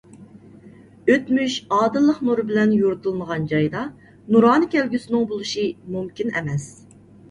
ئۆتمۈش ئادىللىق نۇرى بىلەن يورۇتۇلمىغان جايدا نۇرانە كەلگۈسىنىڭ بولۇشى مۇمكىن ئەمەس.